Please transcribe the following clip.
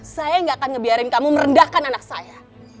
saya gak akan ngebiarin kamu merendahkan anak saya